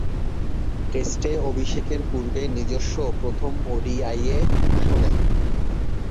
টেস্টে অভিষেকের পূর্বে নিজস্ব প্রথম ওডিআইয়ে অংশ নেন।